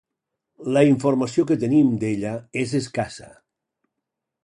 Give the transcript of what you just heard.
La informació que tenim d'ella és escassa.